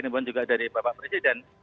imbauan juga dari bapak presiden